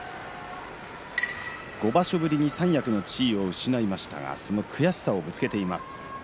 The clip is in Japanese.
５場所ぶりに三役の地位を失いましたが、その悔しさをぶつけています。